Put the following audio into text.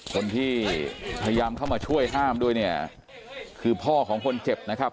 คนที่พยายามเข้ามาช่วยห้ามด้วยเนี่ยคือพ่อของคนเจ็บนะครับ